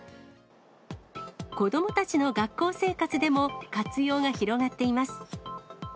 子どもたちの学校生活でも活用が広がっています。